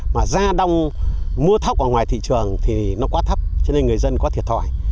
mà ra đông mua thóc ở ngoài thị trường thì nó quá thấp cho nên người dân quá thiệt thỏi